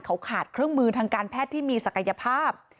เขาขาดเครื่องมือทางการแพทย์ที่มีศักยภาพ